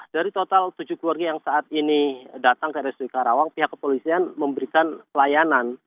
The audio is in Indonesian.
dari total tujuh keluarga yang saat ini datang ke rsud karawang pihak kepolisian memberikan pelayanan